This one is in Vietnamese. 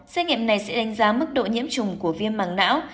xét nghiệm này sẽ đánh giá mức độ nhiễm trùng của viêm mảng não